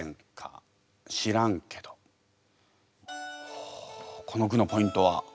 ほうこの句のポイントは？